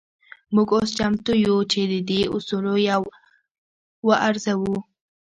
موږ اوس چمتو يو چې د دې اصولو يو وارزوو.